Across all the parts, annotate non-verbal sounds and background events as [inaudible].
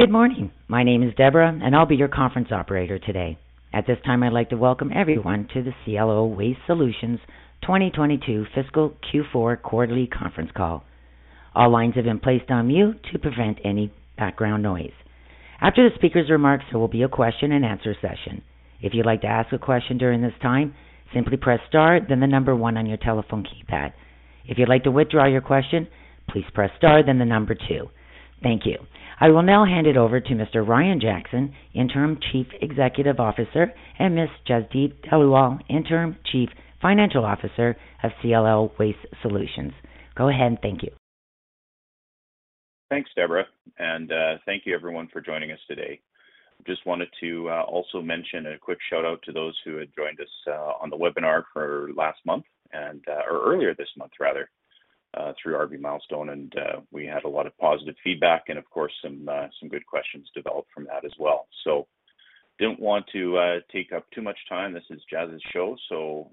Good morning. My name is Debra, and I'll be your conference operator today. At this time, I'd like to welcome everyone to the Cielo Waste Solutions 2022 fiscal Q4 quarterly conference call. All lines have been placed on mute to prevent any background noise. After the speaker's remarks, there will be a question-and-answer session. If you'd like to ask a question during this time, simply press star then the number one on your telephone keypad. If you'd like to withdraw your question, please press star then the number two. Thank you. I will now hand it over to Mr. Ryan Jackson, Interim Chief Executive Officer, and Ms. Jasdeep Dhaliwal, Interim Chief Financial Officer of Cielo Waste Solutions. Go ahead, and thank you. Thanks, Debra, and thank you everyone for joining us today. Just wanted to also mention a quick shout-out to those who had joined us on the webinar for last month or earlier this month rather, through RB Milestone. We had a lot of positive feedback and of course, some good questions developed from that as well. Didn't want to take up too much time. This is Jas' show.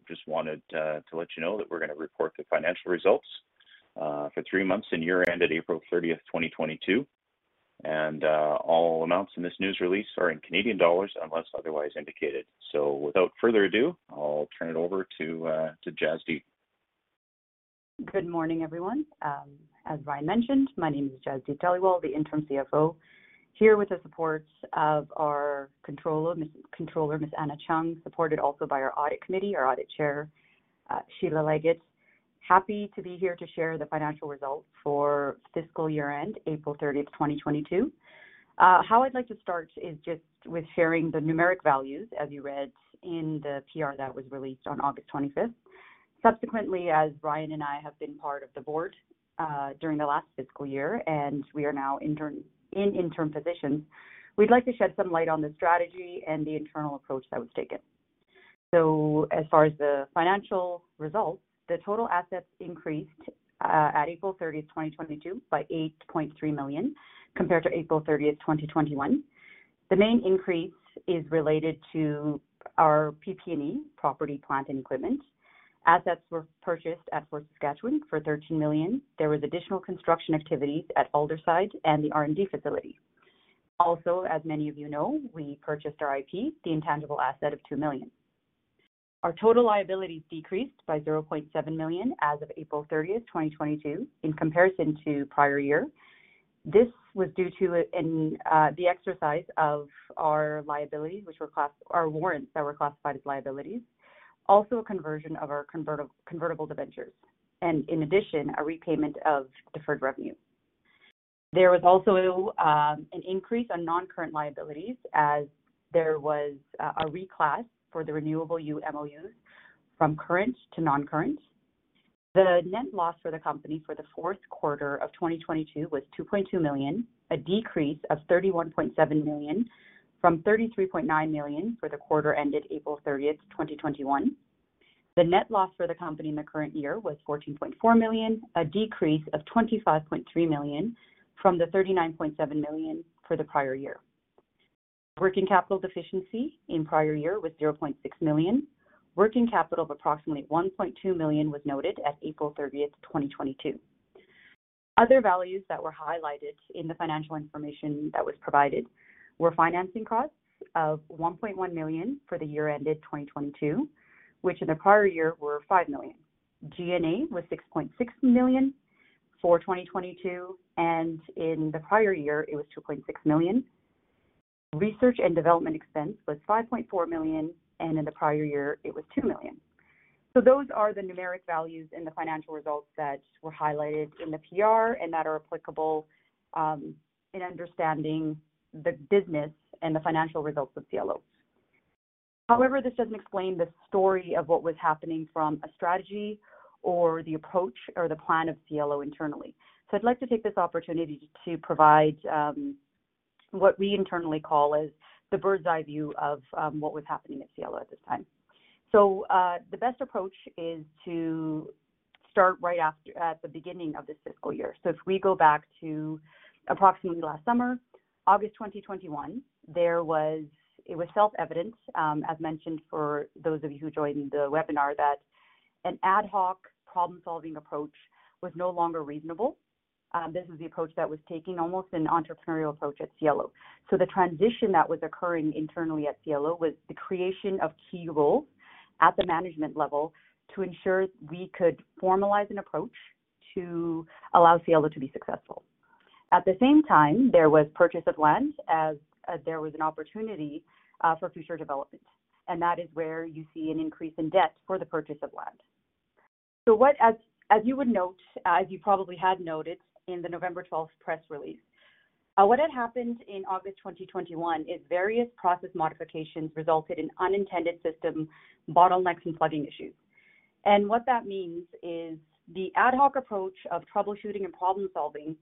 Just wanted to let you know that we're gonna report the financial results for three months and year-end at April 30th, 2022. All amounts in this news release are in Canadian dollars unless otherwise indicated. Without further ado, I'll turn it over to Jasdeep. Good morning, everyone. As Ryan mentioned, my name is Jasdeep Dhaliwal, the interim CFO, here with the support of our controller, Ms. Anna Cheong, supported also by our audit committee, our audit chair, Sheila Leggett. Happy to be here to share the financial results for fiscal year-end, April 30, 2022. How I'd like to start is just with sharing the numeric values, as you read in the PR that was released on August 25th. Subsequently, as Ryan and I have been part of the board during the last fiscal year, and we are now in interim positions, we'd like to shed some light on the strategy and the internal approach that was taken. As far as the financial results, the total assets increased at April 30th, 2022 by 8.3 million compared to April 30th, 2021. The main increase is related to our PP&E, Property, Plant, and Equipment. Assets were purchased at Fort Saskatchewan for 13 million. There was additional construction activities at Aldersyde and the R&D facility. Also, as many of you know, we purchased our IP, the intangible asset of 2 million. Our total liabilities decreased by 0.7 million as of April 30th, 2022 in comparison to prior year. This was due to the exercise of our liabilities, which were our warrants that were classified as liabilities. Also a conversion of our convertible debentures, and in addition, a repayment of deferred revenue. There was also an increase on non-current liabilities as there was a reclass for the renewable MOUs from current to non-current. The net loss for the company for the fourth quarter of 2022 was 2.2 million, a decrease of 31.7 million from 33.9 million for the quarter ended April 30th, 2021. The net loss for the company in the current year was 14.4 million, a decrease of 25.3 million from the 39.7 million for the prior year. Working capital deficiency in prior year was 0.6 million. Working capital of approximately 1.2 million was noted at April 30th, 2022. Other values that were highlighted in the financial information that was provided were financing costs of 1.1 million for the year ended 2022, which in the prior year were 5 million. G&A was 6.6 million for 2022, and in the prior year it was 2.6 million. Research and development expense was 5.4 million, and in the prior year it was 2 million. Those are the numeric values in the financial results that were highlighted in the PR and that are applicable, in understanding the business and the financial results of Cielo. However, this doesn't explain the story of what was happening from a strategy or the approach or the plan of Cielo internally. I'd like to take this opportunity to provide, what we internally call as the bird's-eye view of what was happening at Cielo at this time. The best approach is to start at the beginning of this fiscal year. If we go back to approximately last summer, August 2021, there was. It was self-evident, as mentioned for those of you who joined the webinar, that an ad hoc problem-solving approach was no longer reasonable. This is the approach that was taken, almost an entrepreneurial approach at Cielo. The transition that was occurring internally at Cielo was the creation of key roles at the management level to ensure we could formalize an approach to allow Cielo to be successful. At the same time, there was purchase of land as there was an opportunity for future development, and that is where you see an increase in debt for the purchase of land. As you would note, as you probably had noted in the November 12 press release, what had happened in August 2021 is various process modifications resulted in unintended system bottlenecks and plugging issues. What that means is the ad hoc approach of troubleshooting and problem-solving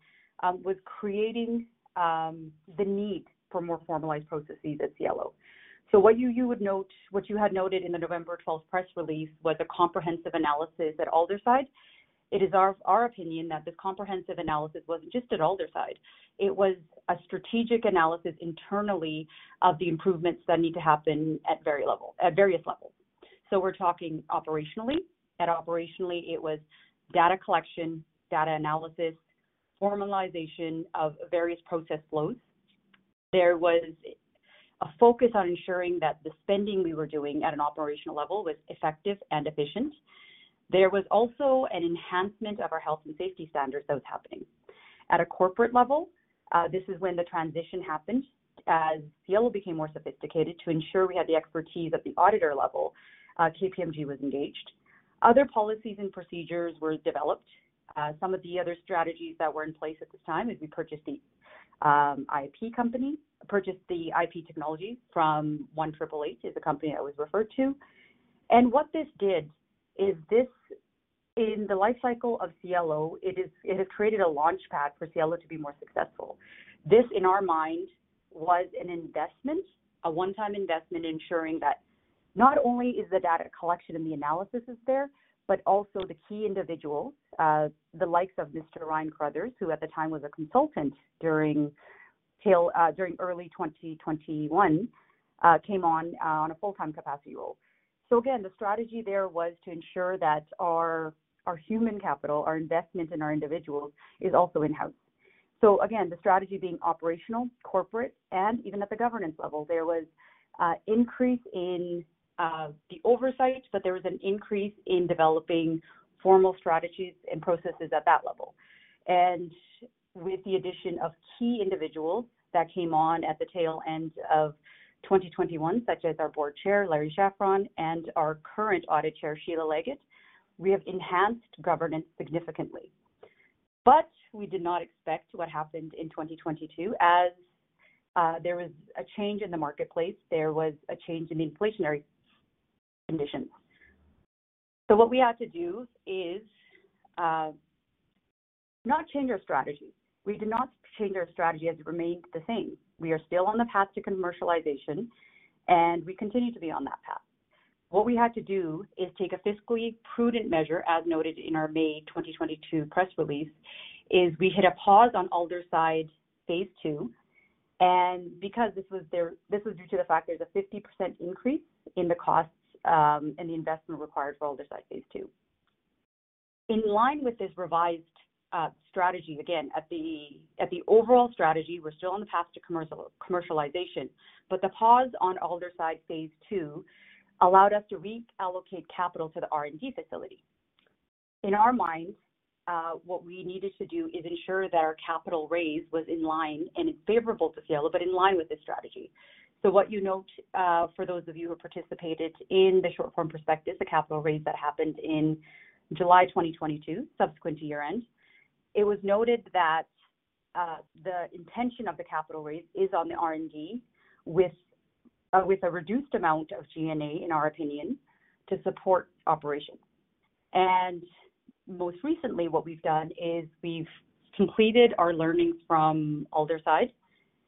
was creating the need for more formalized processes at Cielo. What you had noted in the November 12th press release was a comprehensive analysis at Aldersyde. It is our opinion that this comprehensive analysis wasn't just at Aldersyde. It was a strategic analysis internally of the improvements that need to happen at various levels. We're talking operationally. Operationally, it was data collection, data analysis, formalization of various process flows. There was a focus on ensuring that the spending we were doing at an operational level was effective and efficient. There was also an enhancement of our health and safety standards that was happening. At a corporate level, this is when the transition happened. As Cielo became more sophisticated to ensure we had the expertise at the auditor level, KPMG was engaged. Other policies and procedures were developed. Some of the other strategies that were in place at this time is we purchased the IP technology from One Triple H, is the company that was referred to. What this did is this, in the life cycle of Cielo, it has created a launchpad for Cielo to be more successful. This, in our mind, was an investment, a one-time investment ensuring that not only is the data collection and the analysis is there, but also the key individual, the likes of Mr. Ryan Carruthers, who at the time was a consultant during early 2021, came on a full-time capacity role. Again, the strategy there was to ensure that our human capital, our investment in our individuals is also in-house. Again, the strategy being operational, corporate, and even at the governance level, but there was an increase in developing formal strategies and processes at that level. With the addition of key individuals that came on at the tail end of 2021, such as our Board Chair, Larry Schafran, and our current Audit Chair, Sheila Leggett, we have enhanced governance significantly. We did not expect what happened in 2022 as there was a change in the marketplace, there was a change in the inflationary conditions. What we had to do is not change our strategy. We did not change our strategy, it has remained the same. We are still on the path to commercialization, and we continue to be on that path. What we had to do is take a fiscally prudent measure, as noted in our May 2022 press release, we hit a pause on Aldersyde Phase 2. Because this was due to the fact there's a 50% increase in the costs and the investment required for Aldersyde Phase 2. In line with this revised strategy, again, at the overall strategy, we're still on the path to commercialization, but the pause on Aldersyde Phase 2 allowed us to reallocate capital to the R&D facility. In our minds, what we needed to do is ensure that our capital raise was in line and favorable to Cielo, but in line with this strategy. What you note, for those of you who participated in the short form prospectus, the capital raise that happened in July 2022, subsequent to year-end, it was noted that, the intention of the capital raise is on the R&D with a reduced amount of G&A, in our opinion, to support operations. Most recently, what we've done is we've completed our learnings from Aldersyde.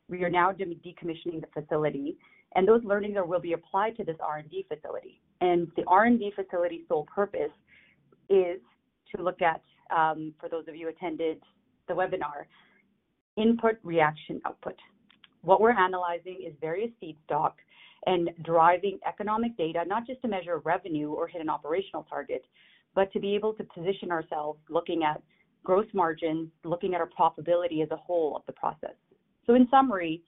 We are now decommissioning the facility, and those learnings there will be applied to this R&D facility. The R&D facility sole purpose is to look at, for those of you attended the webinar, input, reaction, output. What we're analyzing is various feedstock and driving economic data, not just to measure revenue or hit an operational target, but to be able to position ourselves looking at gross margin, looking at our profitability as a whole of the process. In summary,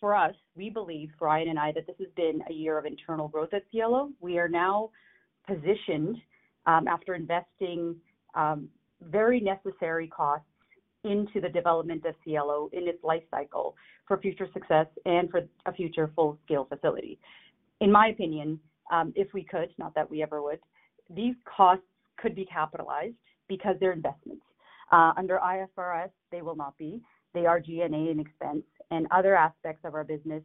for us, we believe, Ryan and I, that this has been a year of internal growth at Cielo. We are now positioned, after investing, very necessary costs into the development of Cielo in its lifecycle for future success and for a future full-scale facility. In my opinion, if we could, not that we ever would, these costs could be capitalized because they're investments. Under IFRS, they will not be. They are G&A and expense, and other aspects of our business,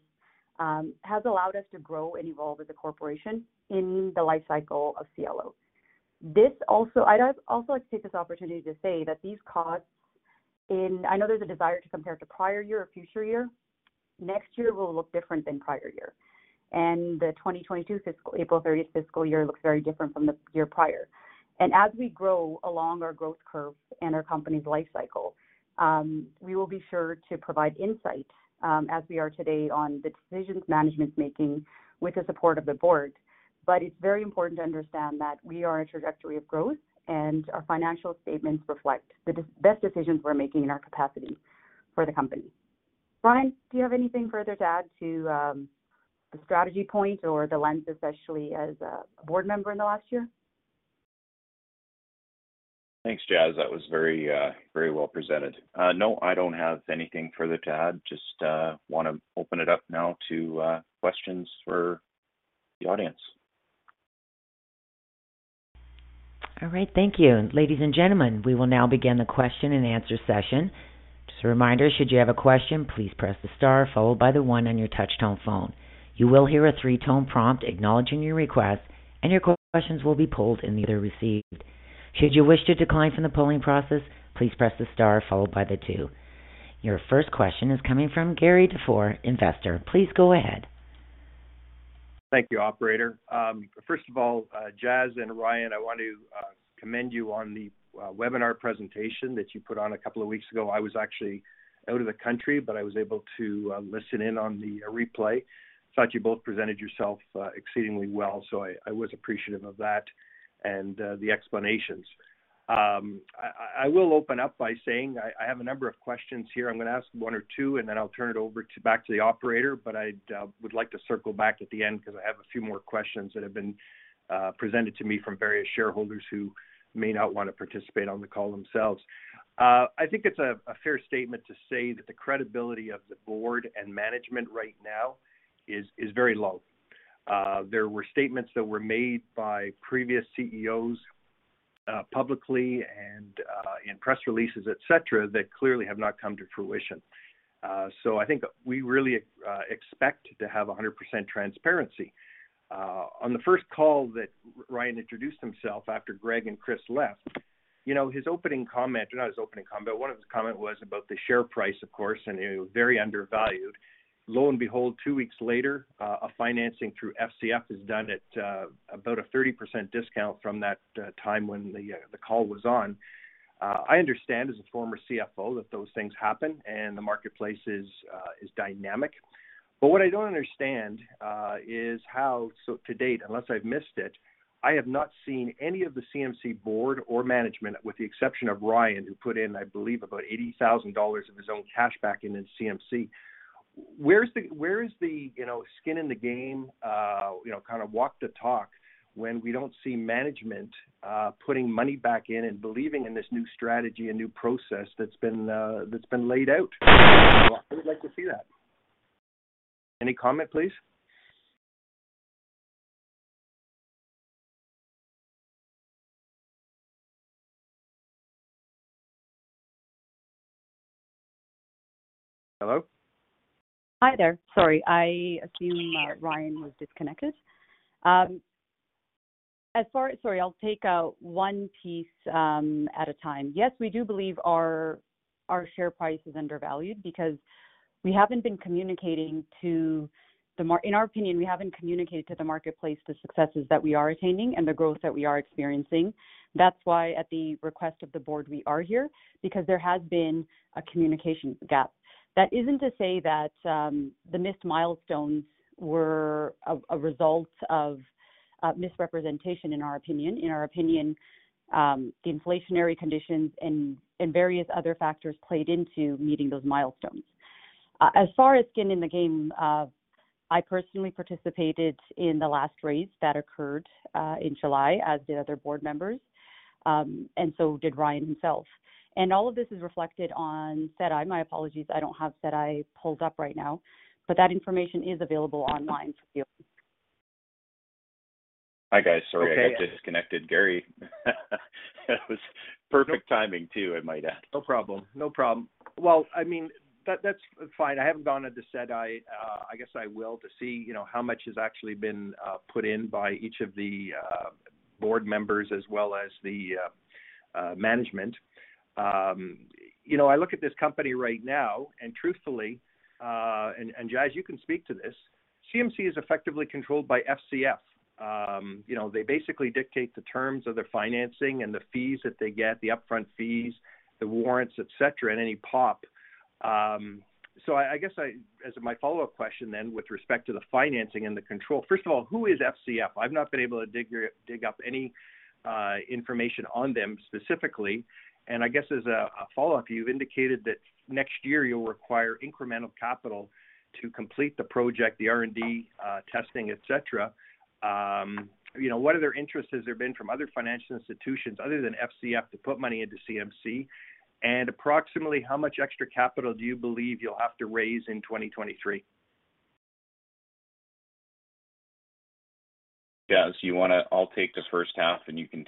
has allowed us to grow and evolve as a corporation in the lifecycle of Cielo. I'd also like to take this opportunity to say that I know there's a desire to compare to prior year or future year. Next year will look different than prior year. The 2022 fiscal year ended April 30 looks very different from the year prior. As we grow along our growth curve and our company's lifecycle, we will be sure to provide insight, as we are today on the decisions management's making with the support of the board. It's very important to understand that we are on a trajectory of growth, and our financial statements reflect the best decisions we're making in our capacity for the company. Ryan, do you have anything further to add to the strategy point or the lens, especially as a board member in the last year? Thanks, Jas. That was very well presented. No, I don't have anything further to add. Just wanna open it up now to questions for the audience. All right. Thank you. Ladies and gentlemen, we will now begin the question and answer session. Just a reminder, should you have a question, please press the star followed by the one on your touch tone phone. You will hear a three-tone prompt acknowledging your request, and your questions will be pulled in the order received. Should you wish to decline from the polling process, please press the star followed by the two. Your first question is coming from Gary DeForé, Investor. Please go ahead. Thank you, operator. First of all, Jas and Ryan, I want to commend you on the webinar presentation that you put on a couple of weeks ago. I was actually out of the country, but I was able to listen in on the replay. Thought you both presented yourself exceedingly well, so I was appreciative of that and the explanations. I will open up by saying I have a number of questions here. I'm gonna ask one or two, and then I'll turn it over to the operator. I would like to circle back at the end because I have a few more questions that have been presented to me from various shareholders who may not wanna participate on the call themselves. I think it's a fair statement to say that the credibility of the board and management right now is very low. There were statements that were made by previous CEOs publicly and in press releases, etc., that clearly have not come to fruition. I think we really expect to have 100% transparency. On the first call that Ryan introduced himself after Greg and Chris left, you know, his opening comment. Not his opening comment, but one of his comment was about the share price, of course, and it was very undervalued. Lo and Behold, two weeks later, a financing through FCF is done at about a 30% discount from that time when the call was on. I understand as a former CFO that those things happen and the marketplace is dynamic. What I don't understand is how, so to date, unless I've missed it, I have not seen any of the CMC board or management, with the exception of Ryan, who put in, I believe, about 80,000 dollars of his own cash back into CMC. Where is the, you know, skin in the game, you know, kind of walk the talk when we don't see management putting money back in and believing in this new strategy and new process that's been laid out? I would like to see that. Any comment, please? Hello? Hi there. Sorry. I assume Ryan was disconnected. Sorry, I'll take one piece at a time. Yes, we do believe our share price is undervalued because we haven't been communicating. In our opinion, we haven't communicated to the marketplace the successes that we are attaining and the growth that we are experiencing. That's why, at the request of the board, we are here because there has been a communication gap. That isn't to say that the missed milestones were a result of misrepresentation in our opinion. In our opinion, the inflationary conditions and various other factors played into meeting those milestones. As far as skin in the game, I personally participated in the last raise that occurred in July, as did other board members, and so did Ryan himself. All of this is reflected on SEDI. My apologies, I don't have SEDI pulled up right now, but that information is available online for you. Hi, guys. Sorry, I got disconnected. Gary, that was perfect timing too, I might add. No problem. Well, I mean, that's fine. I haven't gone into SEDI. I guess I will to see, you know, how much has actually been put in by each of the board members as well as the management. You know, I look at this company right now, and truthfully, Jas, you can speak to this. Cielo is effectively controlled by FCF. You know, they basically dictate the terms of their financing and the fees that they get, the upfront fees, the warrants, etc., and any POP. I guess as my follow-up question, with respect to the financing and the control, first of all, who is FCF? I've not been able to dig up any information on them specifically. I guess as a follow-up, you've indicated that next year you'll require incremental capital to complete the project, the R&D, testing, etc. You know, what other interest has there been from other financial institutions other than FCF to put money into Cielo? Approximately how much extra capital do you believe you'll have to raise in 2023? Jas, I'll take the first half, and you can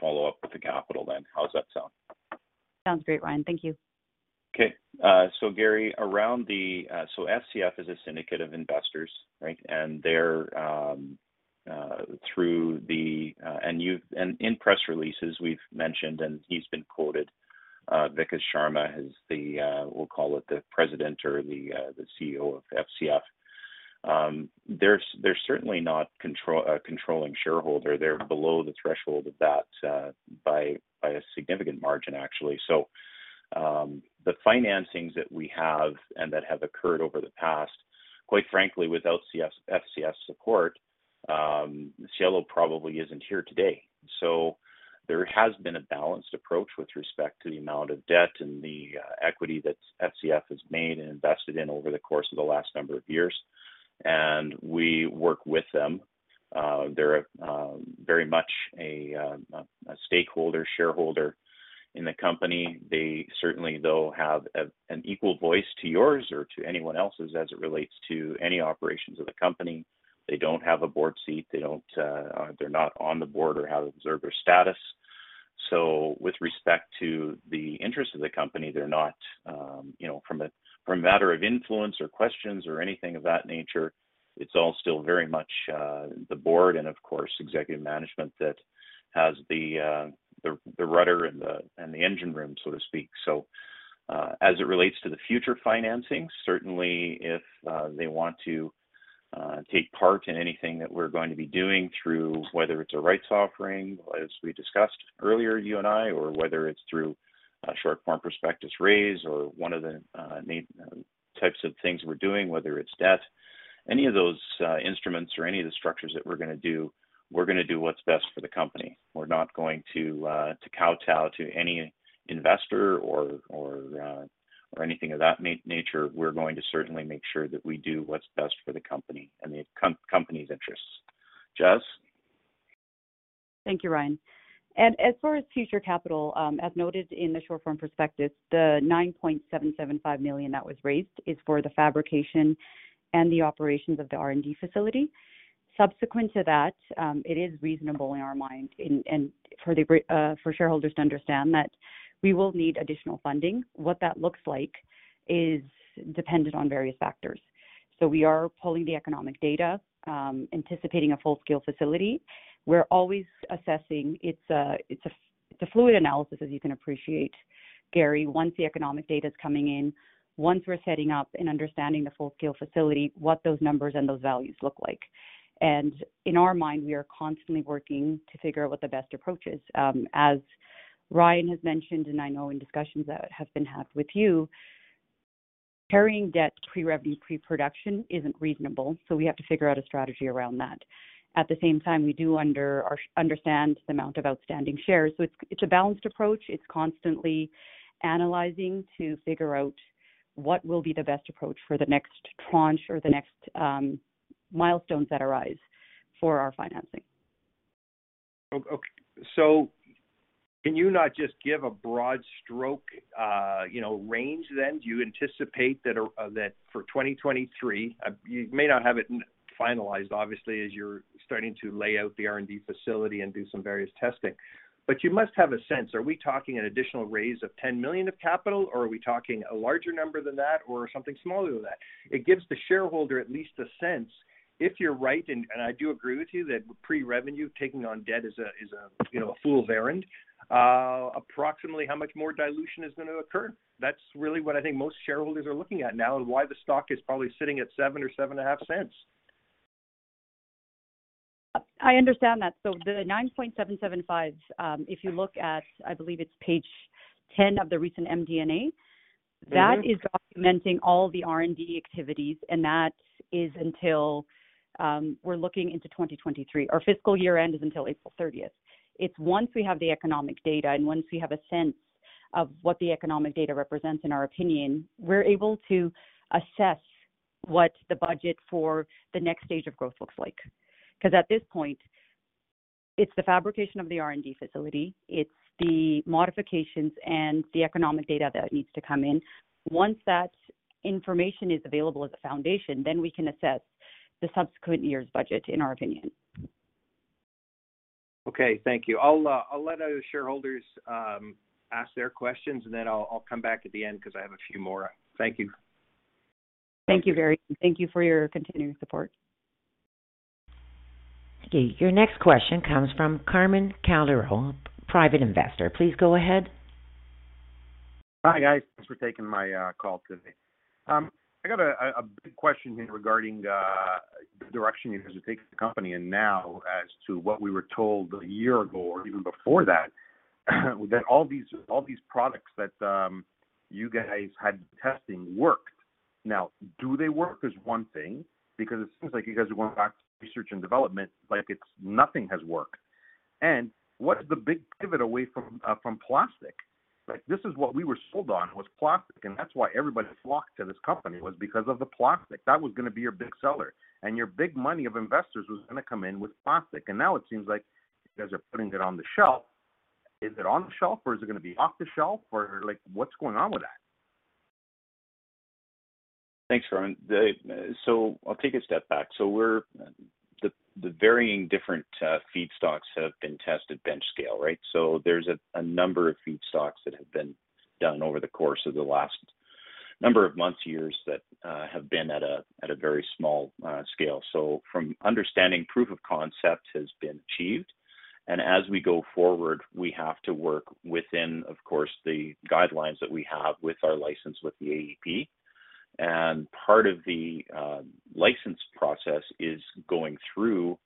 follow up with the CapEx then. How's that sound? Sounds great, Ryan. Thank you. Gary, FCF is a syndicate of investors, right? In press releases, we've mentioned and he's been quoted, Vikas Sharma is the, we'll call it the president or the CEO of FCF. They're certainly not a controlling shareholder. They're below the threshold of that by a significant margin, actually. The financings that we have and that have occurred over the past, quite frankly, without FCF's support, Cielo probably isn't here today. There has been a balanced approach with respect to the amount of debt and the equity that FCF has made and invested in over the course of the last number of years. We work with them. They're very much a stakeholder, shareholder in the company. They certainly, though, have an equal voice to yours or to anyone else's as it relates to any operations of the company. They don't have a board seat. They don't, they're not on the board or have observer status. With respect to the interest of the company, they're not, you know, from a matter of influence or questions or anything of that nature, it's all still very much the board and of course, executive management that has the rudder and the engine room, so to speak. As it relates to the future financing, certainly if they want to take part in anything that we're going to be doing through whether it's a rights offering, as we discussed earlier, you and I, or whether it's through a short form prospectus raise or one of the types of things we're doing, whether it's debt. Any of those instruments or any of the structures that we're gonna do, we're gonna do what's best for the company. We're not going to kowtow to any investor or anything of that nature. We're going to certainly make sure that we do what's best for the company and the company's interests. Jasdeep? Thank you, Ryan. As far as future capital, as noted in the short form prospectus, the 9.775 million that was raised is for the fabrication and the operations of the R&D facility. Subsequent to that, it is reasonable in our mind and for the shareholders to understand that we will need additional funding. What that looks like is dependent on various factors. We are pulling the economic data, anticipating a full-scale facility. We're always assessing. It's a fluid analysis, as you can appreciate, Gary, once the economic data is coming in, once we're setting up and understanding the full-scale facility, what those numbers and those values look like. In our mind, we are constantly working to figure out what the best approach is. As Ryan has mentioned, and I know in discussions that have been had with you, carrying debt pre-revenue, pre-production isn't reasonable, so we have to figure out a strategy around that. At the same time, we do understand the amount of outstanding shares. It's a balanced approach. It's constantly analyzing to figure out what will be the best approach for the next tranche or the next milestones that arise for our financing. Can you not just give a broad stroke, you know, range then? Do you anticipate that for 2023, you may not have it not finalized, obviously, as you're starting to lay out the R&D facility and do some various testing. You must have a sense. Are we talking an additional raise of 10 million of capital, or are we talking a larger number than that or something smaller than that? It gives the shareholder at least a sense, if you're right, and I do agree with you that pre-revenue, taking on debt is a you know, a fool's errand. Approximately how much more dilution is gonna occur? That's really what I think most shareholders are looking at now and why the stock is probably sitting at 0.07 or 0.075. I understand that. The 9.775, if you look at, I believe it's page 10 of the recent MD&A. Mm-hmm. That is documenting all the R&D activities, and that is until we're looking into 2023. Our fiscal year end is April 30th. It's once we have the economic data and once we have a sense of what the economic data represents, in our opinion, we're able to assess what the budget for the next stage of growth looks like. Because at this point, it's the fabrication of the R&D facility, it's the modifications and the economic data that needs to come in. Once that information is available as a foundation, then we can assess the subsequent year's budget, in our opinion. Okay, thank you. I'll let other shareholders ask their questions, and then I'll come back at the end because I have a few more. Thank you. Thank you, Gary. Thank you for your continued support. Okay. Your next question comes from Carmen Calderon, private investor. Please go ahead. Hi, guys. Thanks for taking my call today. I got a big question here regarding the direction you guys are taking the company and now as to what we were told a year ago or even before that all these products that you guys had testing worked. Now, do they work is one thing because it seems like you guys are going back to research and development, like it's nothing has worked. What is the big pivot away from plastic? Like, this is what we were sold on, was plastic, and that's why everybody flocked to this company, was because of the plastic. That was gonna be your big seller. Your big money of investors was gonna come in with plastic. Now it seems like you guys are putting it on the shelf. Is it on the shelf, or is it gonna be off the shelf? Or, like, what's going on with that? Thanks, Carmen. I'll take a step back. The varying different feedstocks have been tested bench scale, right? There's a number of feedstocks that have been done over the course of the last number of months, years that have been at a very small scale. From understanding proof of concept has been achieved, and as we go forward, we have to work within, of course, the guidelines that we have with our license with the AEP. Part of the license process is going through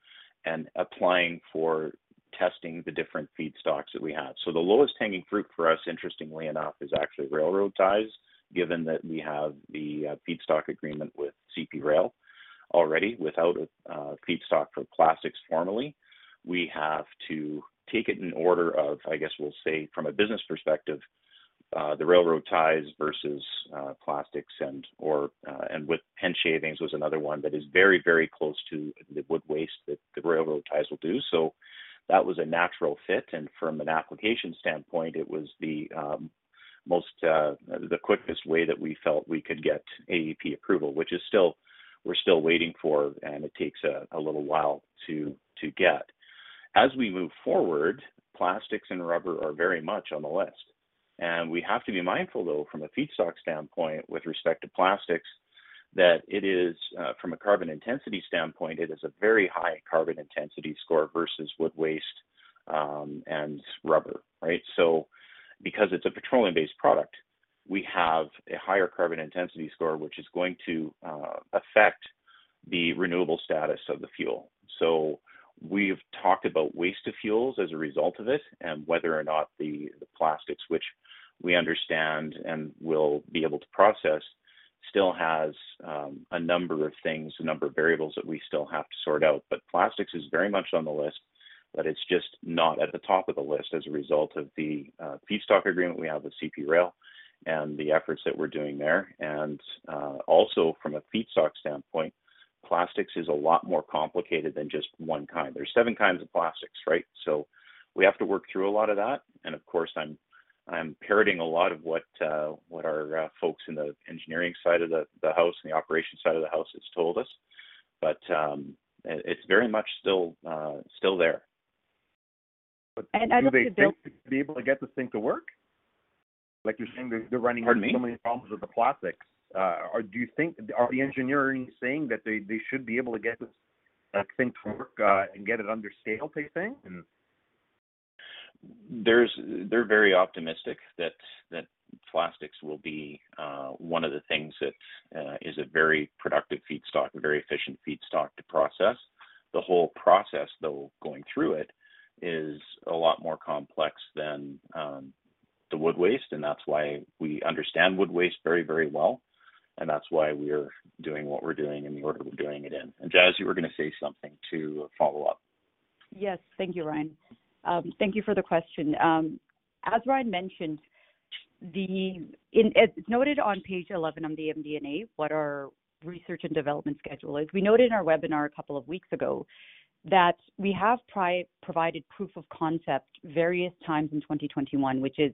and applying for testing the different feedstocks that we have. The lowest hanging fruit for us, interestingly enough, is actually railroad ties, given that we have the feedstock agreement with CP Rail already without a feedstock for plastics formally. We have to take it in order of, I guess we'll say from a business perspective, the railroad ties versus plastics and with pen shavings was another one that is very close to the wood waste that the railroad ties will do. That was a natural fit. From an application standpoint, it was the quickest way that we felt we could get AEP approval, which we're still waiting for, and it takes a little while to get. As we move forward, plastics and rubber are very much on the list. We have to be mindful, though, from a feedstock standpoint with respect to plastics, that it is from a carbon intensity standpoint, it is a very high carbon intensity score versus wood waste and rubber, right? Because it's a petroleum-based product, we have a higher carbon intensity score, which is going to affect the renewable status of the fuel. We've talked about waste to fuels as a result of this and whether or not the plastics which we understand and will be able to process still has a number of things, a number of variables that we still have to sort out. Plastics is very much on the list, but it's just not at the top of the list as a result of the feedstock agreement we have with CP Rail and the efforts that we're doing there. Also from a feedstock standpoint, plastics is a lot more complicated than just one kind. There's seven kinds of plastics, right? We have to work through a lot of that. Of course, I'm parroting a lot of what our folks in the engineering side of the house and the operations side of the house has told us. It's very much still there. [crosstalk] Do they think they'll be able to get this thing to work? Like, you're saying they're running into so many problems with the plastics. Pardon me? Do you think? Are the engineers saying that they should be able to get this thing to work, and get it to scale, they think? They're very optimistic that plastics will be one of the things that is a very productive feedstock, a very efficient feedstock to process. The whole process, though, going through it, is a lot more complex than the wood waste, and that's why we understand wood waste very, very well, and that's why we're doing what we're doing in the order we're doing it in. Jas, you were gonna say something to follow up. Yes. Thank you, Ryan. Thank you for the question. As Ryan mentioned, noted on page 11 on the MD&A, what our research and development schedule is. We noted in our webinar a couple of weeks ago that we have provided proof of concept various times in 2021, which is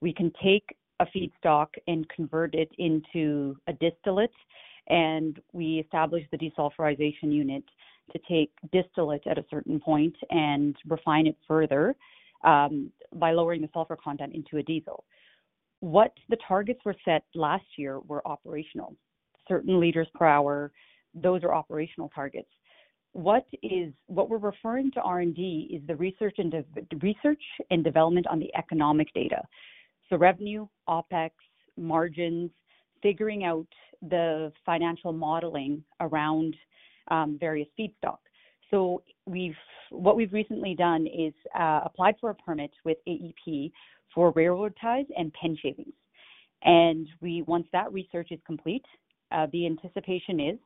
we can take a feedstock and convert it into a distillate, and we established the desulfurization unit to take distillate at a certain point and refine it further by lowering the sulfur content into a diesel. What the targets were set last year were operational. Certain liters per hour, those are operational targets. What we're referring to R&D is the research and development on the economic data. So revenue, OpEx, margins, figuring out the financial modeling around various feedstock. What we've recently done is applied for a permit with AEP for railroad ties and pen shavings. Once that research is complete, the anticipation is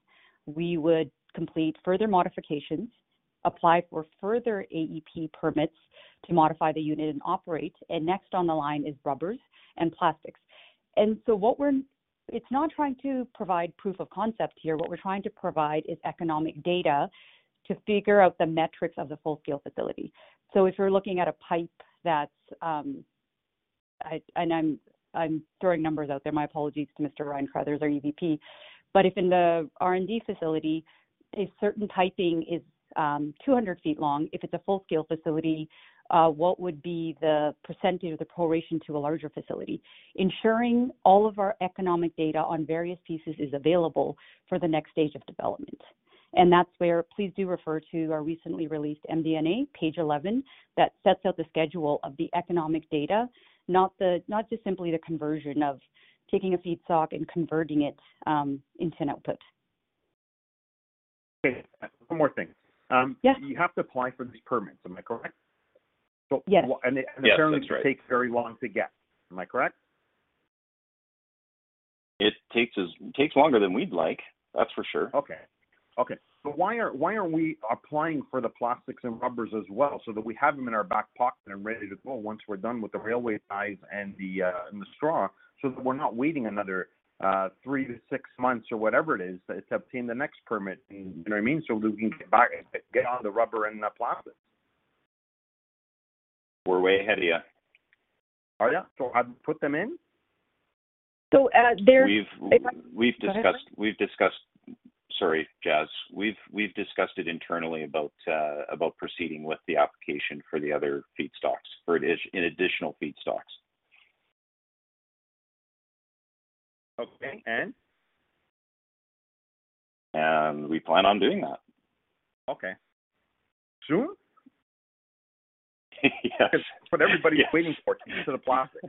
we would complete further modifications, apply for further AEP permits to modify the unit and operate, and next on the line is rubbers and plastics. It's not trying to provide proof of concept here. What we're trying to provide is economic data to figure out the metrics of the full-scale facility. If you're looking at a pipe that's. I'm throwing numbers out there. My apologies to Mr. Ryan Carruthers, our EVP. But if in the R&D facility, a certain piping is 200 ft long, if it's a full-scale facility, what would be the percentage or the proration to a larger facility? Ensuring all of our economic data on various pieces is available for the next stage of development. That's where please do refer to our recently released MD&A, page 11, that sets out the schedule of the economic data, not just simply the conversion of taking a feedstock and converting it into an output. Okay. One more thing. Yes. You have to apply for these permits, am I correct? Yes. Yes, that's right. Apparently it takes very long to get, am I correct? It takes longer than we'd like, that's for sure. Okay. Why aren't we applying for the plastics and rubbers as well so that we have them in our back pocket and ready to go once we're done with the railway ties and the straw, so that we're not waiting another 3-6 months or whatever it is to obtain the next permit? You know what I mean? We can get back, get on the rubber and the plastics. We're way ahead of you. Are you? Have you put them in? [crosstalk] We've discussed. Go ahead, Ryan. Sorry, Jas. We've discussed it internally about proceeding with the application for the other feedstocks. For additional feedstocks. Okay. We plan on doing that. Okay. Soon? Yes. 'Cause that's what everybody is waiting for, to get to the plastics.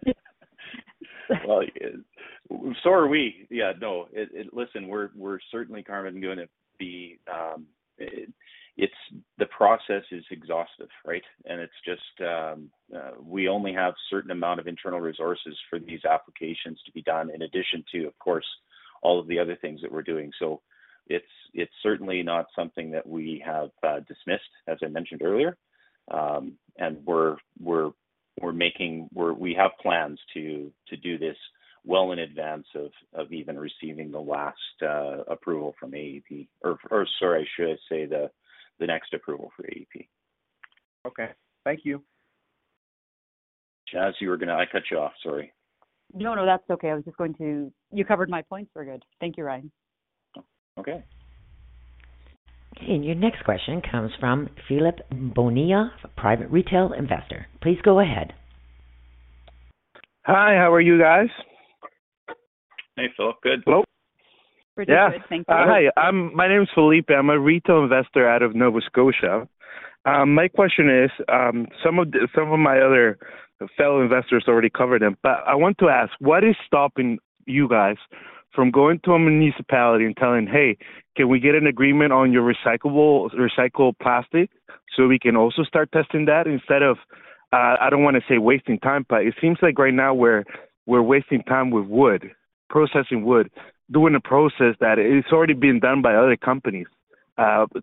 Well, are we. Yeah. No. Listen, we're certainly, Carmen, gonna be. It's the process is exhaustive, right? It's just we only have certain amount of internal resources for these applications to be done in addition to, of course, all of the other things that we're doing. It's certainly not something that we have dismissed, as I mentioned earlier. We have plans to do this well in advance of even receiving the last approval from AEP. Or, sorry, I should say the next approval for AEP. Okay. Thank you. Jas, you were gonna. I cut you off, sorry. No, no, that's okay. You covered my points very good. Thank you, Ryan. Oh, okay. Your next question comes from Felipe Bonilla, Private Retail Investor. Please go ahead. Hi, how are you guys? Hey, Felipe. Good. Hello. We're doing good, thank you. Yeah. Hi, my name is Felipe. I'm a retail investor out of Nova Scotia. My question is, some of my other fellow investors already covered them, but I want to ask, what is stopping you guys from going to a municipality and telling, "Hey, can we get an agreement on your recyclable, recycled plastic so we can also start testing that?" Instead of, I don't wanna say wasting time, but it seems like right now we're wasting time with wood, processing wood, doing a process that it's already been done by other companies.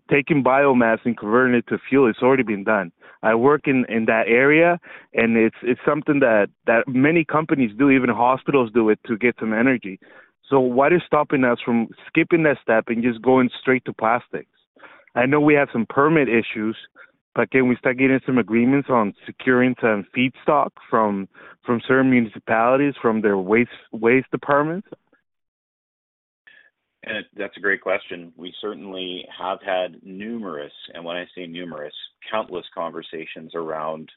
Taking biomass and converting it to fuel, it's already been done. I work in that area, and it's something that many companies do, even hospitals do it to get some energy. What is stopping us from skipping that step and just going straight to plastics? I know we have some permit issues, but can we start getting some agreements on securing some feedstock from certain municipalities from their waste departments? That's a great question. We certainly have had numerous, and when I say numerous, countless conversations around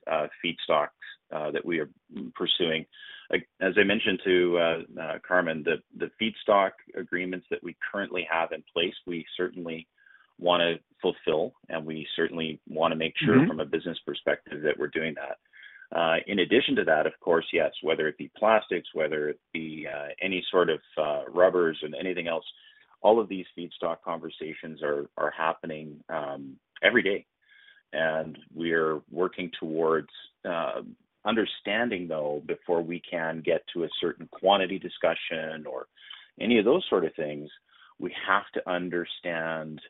feedstocks that we are pursuing. Like, as I mentioned to Carmen, the feedstock agreements that we currently have in place, we certainly wanna fulfill, and we certainly wanna make sure from a business perspective that we're doing that. In addition to that, of course, yes, whether it be plastics, whether it be any sort of rubbers and anything else, all of these feedstock conversations are happening every day. We're working towards understanding though before we can get to a certain quantity discussion or any of those sort of things, we have to understand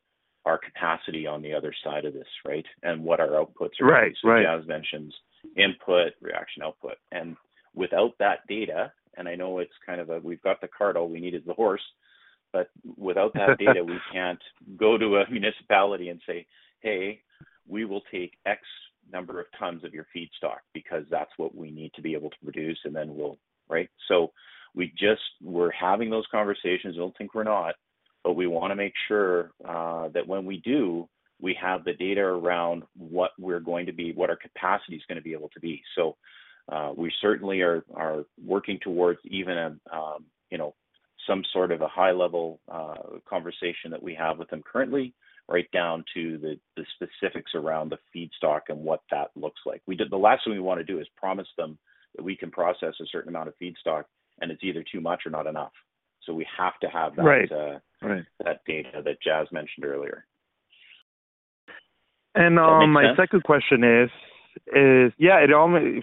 our capacity on the other side of this, right? What our outputs are? Right. Right. As mentioned, input, reaction, output. Without that data, I know it's kind of a, we've got the cart, all we need is the horse, but without that data, we can't go to a municipality and say, "Hey, we will take X number of tons of your feedstock because that's what we need to be able to produce, and then we'll." Right? We just, we're having those conversations. Don't think we're not. We wanna make sure that when we do, we have the data around what we're going to be, what our capacity is gonna be able to be. We certainly are working towards even a, you know, some sort of a high level conversation that we have with them currently, right down to the specifics around the feedstock and what that looks like. The last thing we wanna do is promise them that we can process a certain amount of feedstock, and it's either too much or not enough. Right. Right. We have to have that data that Jas mentioned earlier. Does that make sense?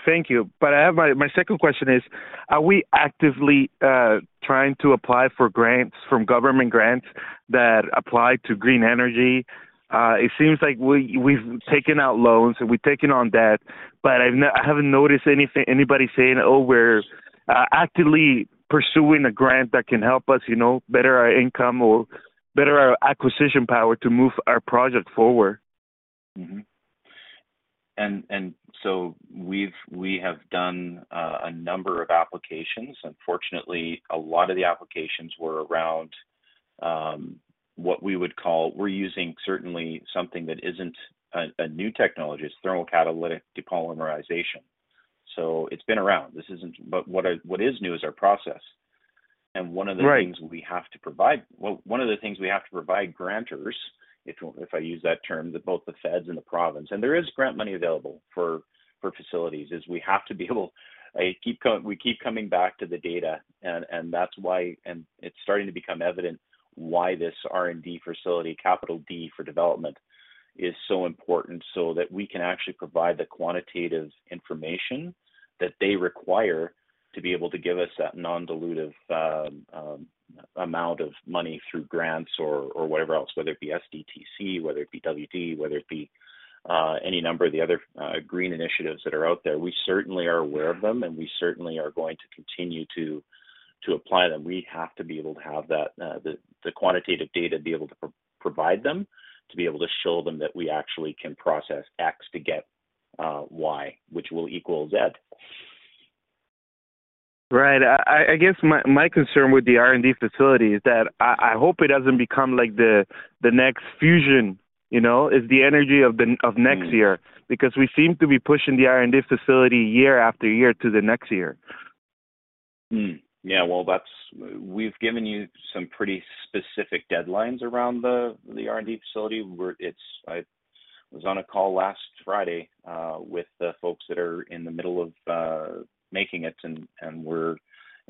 Thank you. But I have my second question is, are we actively trying to apply for grants from government grants that apply to green energy? It seems like we've taken out loans and we've taken on debt, but I haven't noticed anybody saying, "Oh, we're actively pursuing a grant that can help us, you know, better our income or better our acquisition power to move our project forward. We have done a number of applications. Unfortunately, a lot of the applications were around what we would call. We're using certainly something that isn't a new technology. It's thermal catalytic depolymerization. It's been around. But what is new is our process. Right. One of the things we have to provide grantors, if I use that term, both the feds and the province, and there is grant money available for facilities, is we have to be able. We keep coming back to the data and that's why, and it's starting to become evident why this R&D facility, capital D for development, is so important so that we can actually provide the quantitative information that they require to be able to give us that non-dilutive amount of money through grants or whatever else, whether it be SDTC, whether it be WD, whether it be any number of the other green initiatives that are out there. We certainly are aware of them, and we certainly are going to continue to apply them. We have to be able to have that, the quantitative data to be able to provide them, to be able to show them that we actually can process X to get, Y, which will equal Z. Right. I guess my concern with the R&D facility is that I hope it doesn't become like the next fusion, you know? It's the energy of next. Because we seem to be pushing the R&D facility year after year to the next year. Yeah, well, that's. We've given you some pretty specific deadlines around the R&D facility. I was on a call last Friday with the folks that are in the middle of making it and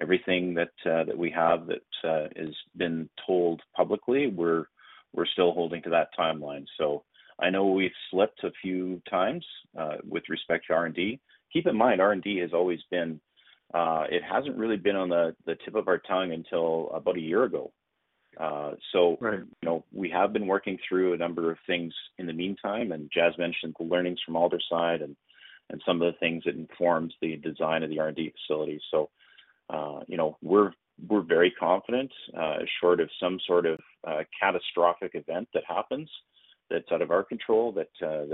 everything that we have that is been told publicly. We're still holding to that timeline. I know we've slipped a few times with respect to R&D. Keep in mind, R&D has always been. It hasn't really been on the tip of our tongue until about a year ago. Right. You know, we have been working through a number of things in the meantime, and Jas mentioned the learnings from Aldersyde and some of the things that informs the design of the R&D facility. You know, we're very confident short of some sort of catastrophic event that happens that's out of our control, that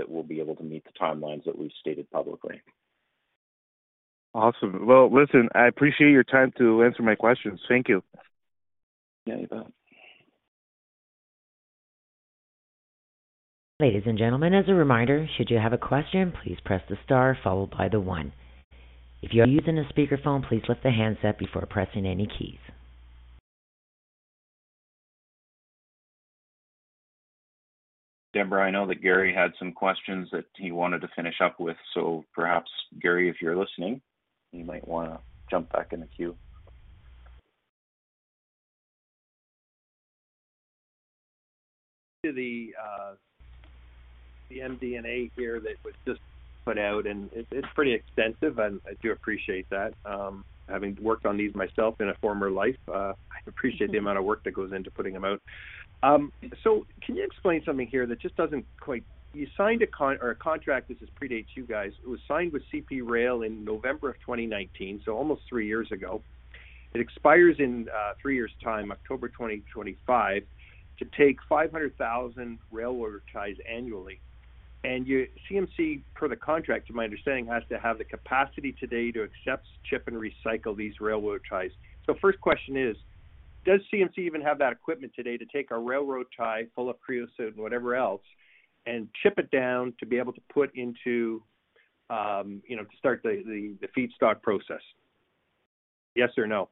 we'll be able to meet the timelines that we've stated publicly. Awesome. Well, listen, I appreciate your time to answer my questions. Thank you. Yeah, you bet. Ladies and gentlemen, as a reminder, should you have a question, please press the star followed by the one. If you are using a speakerphone, please lift the handset before pressing any keys. Debra, I know that Gary had some questions that he wanted to finish up with. Perhaps, Gary, if you're listening, you might wanna jump back in the queue. To the MD&A here that was just put out, and it's pretty extensive, and I do appreciate that. Having worked on these myself in a former life, I appreciate the amount of work that goes into putting them out. So can you explain something here that just doesn't quite. You signed a contract, this predates you guys. It was signed with CP Rail in November 2019, so almost three years ago. It expires in three years' time, October 2025, to take 500,000 railroad ties annually. CMC, per the contract, to my understanding, has to have the capacity today to accept, ship, and recycle these railroad ties. First question is, does CMC even have that equipment today to take a railroad tie full of creosote and whatever else and chip it down to be able to put into, you know, to start the feedstock process? Yes or no?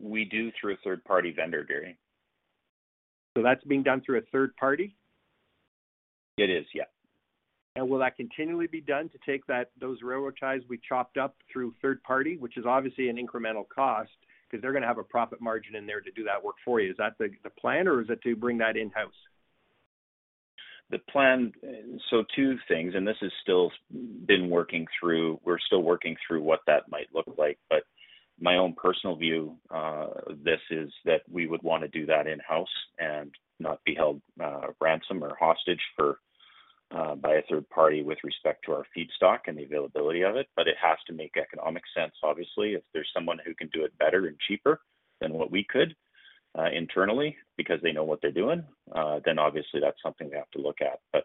We do through a third-party vendor, Gary. That's being done through a third party? It is, yeah. Will that continually be done to take that, those railroad ties be chopped up through third party, which is obviously an incremental cost because they're gonna have a profit margin in there to do that work for you? Is that the plan or is it to bring that in-house? Two things, and this is still been working through, we're still working through what that might look like. My own personal view, this is that we would wanna do that in-house and not be held ransom or hostage for by a third party with respect to our feedstock and the availability of it. It has to make economic sense, obviously. If there's someone who can do it better and cheaper than what we could internally because they know what they're doing, then obviously that's something we have to look at.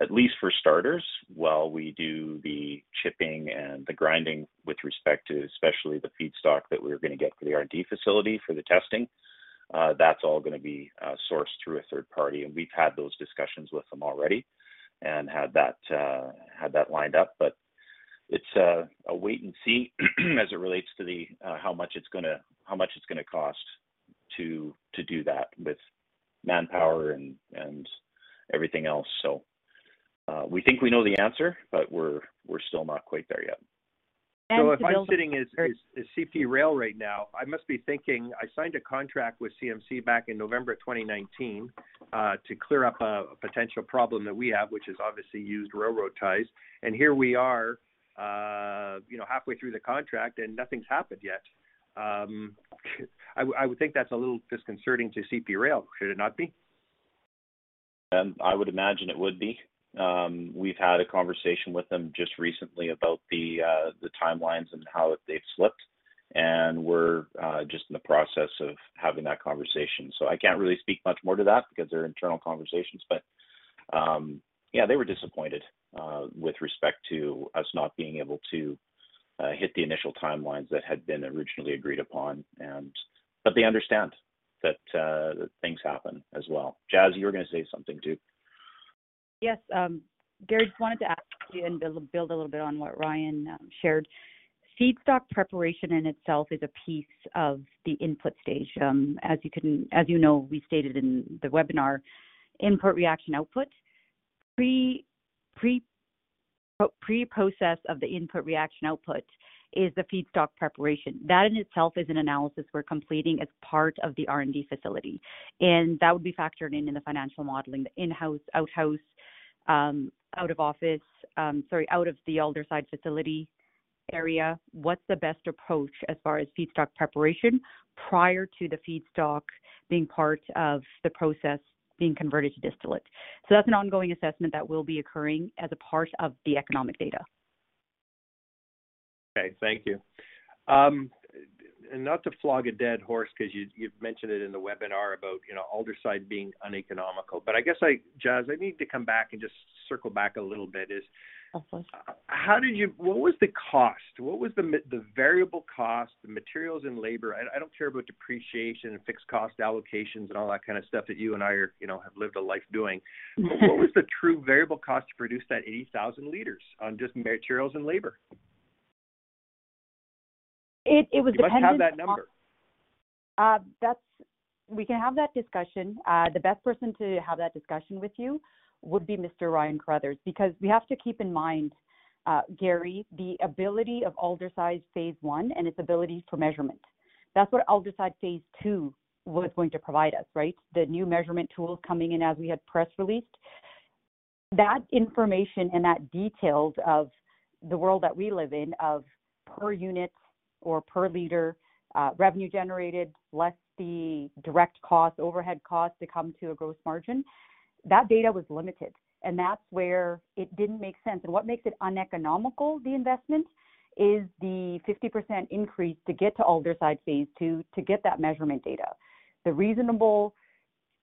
At least for starters, while we do the chipping and the grinding with respect to especially the feedstock that we're gonna get for the R&D facility for the testing, that's all gonna be sourced through a third party. We've had those discussions with them already and had that lined up. It's a wait and see as it relates to the how much it's gonna cost to do that with manpower and everything else. We think we know the answer, but we're still not quite there yet. [crosstalk] If I'm sitting as CP Rail right now, I must be thinking I signed a contract with CMC back in November of 2019 to clear up a potential problem that we have, which is obviously used railroad ties. Here we are, you know, halfway through the contract and nothing's happened yet. I would think that's a little disconcerting to CP Rail. Should it not be? I would imagine it would be. We've had a conversation with them just recently about the timelines and how they've slipped, and we're just in the process of having that conversation. I can't really speak much more to that because they're internal conversations. Yeah, they were disappointed with respect to us not being able to hit the initial timelines that had been originally agreed upon. But they understand that things happen as well. Jas, you were gonna say something too. Yes. Gary, just wanted to ask you and build a little bit on what Ryan shared. Feedstock preparation in itself is a piece of the input stage. As you know, we stated in the webinar, input, reaction, output. Pre-process of the input reaction output is the feedstock preparation. That in itself is an analysis we're completing as part of the R&D facility, and that would be factored in the financial modeling, the in-house, out-house, out of office, sorry, out of the Aldersyde facility area. What's the best approach as far as feedstock preparation prior to the feedstock being part of the process being converted to distillate? That's an ongoing assessment that will be occurring as a part of the economic data. Okay. Thank you. Not to flog a dead horse because you've mentioned it in the webinar about, you know, Aldersyde being uneconomical. I guess, Jas, I need to come back and just circle back a little bit. Of course. What was the cost? What was the variable cost, the materials and labor? I don't care about depreciation and fixed cost allocations and all that kind of stuff that you and I are, you know, have lived a life doing. What was the true variable cost to produce that 80,000 liters on just materials and labor? It was dependent on. You must have that number. We can have that discussion. The best person to have that discussion with you would be Mr. Ryan Carruthers. Because we have to keep in mind, Gary, the ability of Aldersyde Phase 1 and its ability for measurement. That's what Aldersyde Phase 2 was going to provide us, right? The new measurement tools coming in as we had press released. That information and that details of the world that we live in of per unit or per liter, revenue generated less the direct cost, overhead cost to come to a gross margin, that data was limited, and that's where it didn't make sense. What makes it uneconomical, the investment, is the 50% increase to get to Aldersyde Phase 2 to get that measurement data. The reasonable,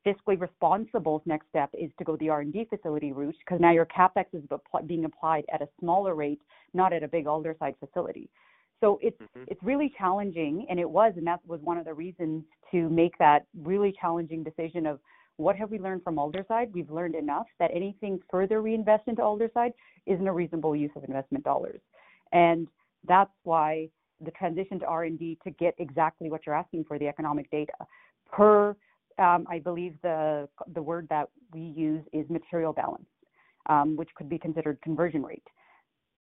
fiscally responsible next step is to go the R&D facility route because now your CapEx is being applied at a smaller rate, not at a big Aldersyde facility. Mm-hmm. It's really challenging, and it was, and that was one of the reasons to make that really challenging decision of what have we learned from Aldersyde. We've learned enough that anything further we invest into Aldersyde isn't a reasonable use of investment dollars. That's why the transition to R&D to get exactly what you're asking for, the economic data per, I believe the word that we use is material balance, which could be considered conversion rate.